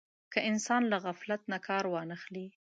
که انسان له غفلت نه کار وانه خلي.